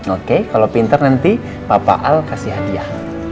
oke kalau pinter nanti papa al kasih hadiah